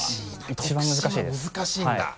一番難しいです。